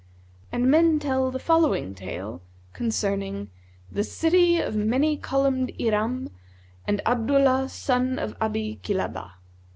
And men tell the following tale concerning THE CITY OF MANY COLUMNED IRAM AND ABDULLAH SON OF ABI KILABAH.